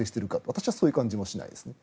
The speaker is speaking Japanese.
私はそういう感じもしないですね。